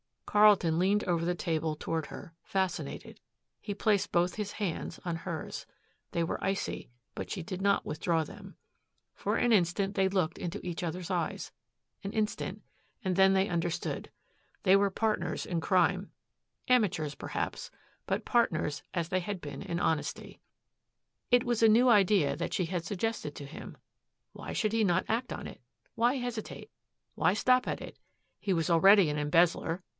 Carlton leaned over the table toward her, fascinated. He placed both his hands on hers. They were icy, but she did not withdraw them. For an instant they looked into each other's eyes, an instant, and then they understood. They were partners in crime, amateurs perhaps, but partners as they had been in honesty. It was a new idea that she had suggested to him. Why should he not act on it? Why hesitate? Why stop at it? He was already an embezzler.